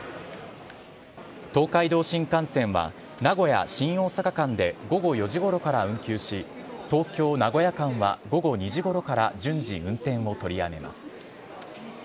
東海道新幹線は、名古屋・新大阪間で午後４時ごろから運休し、東京・名古屋間は午後２時ごろから順次、運転を取りやめます。